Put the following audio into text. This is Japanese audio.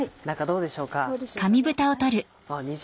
どうでしょうかね。